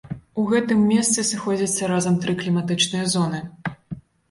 У гэтым месцы сыходзяцца разам тры кліматычныя зоны.